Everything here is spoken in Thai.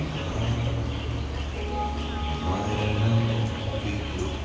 สวัสดีครับสวัสดีครับ